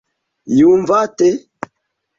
Yumva ite?